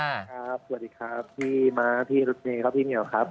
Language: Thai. สวัสดีครับพี่มากพี่เอลุเตะพี่มิวครับ